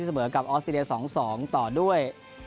ที่เสมอกับออสตีเรย์๒๒ต่อด้วย